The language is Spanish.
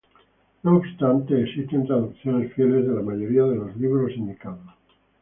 No obstante, existen traducciones fieles de la mayoría de los libros indicados.